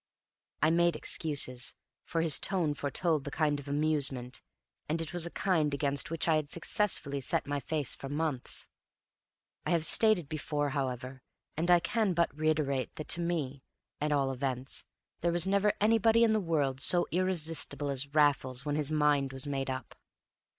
I made excuses, for his tone foretold the kind of amusement, and it was a kind against which I had successfully set my face for months. I have stated before, however, and I can but reiterate, that to me, at all events, there was never anybody in the world so irresistible as Raffles when his mind was made up.